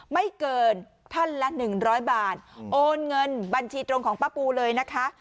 ไม่เกินท่านละ๑๐๐บาทโอนเงินบัญชีตรงของป้าปูเลยนะคะ